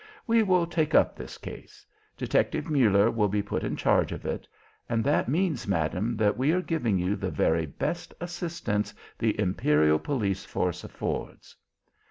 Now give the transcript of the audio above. We will take up this case. Detective Muller will be put in charge of it. And that means, Madam, that we are giving you the very best assistance the Imperial Police Force affords."